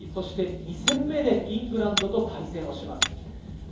２戦目でイングランドと対戦します。